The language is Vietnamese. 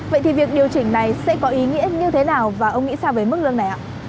vậy thì việc điều chỉnh này sẽ có ý nghĩa như thế nào và ông nghĩ sao về mức lương này ạ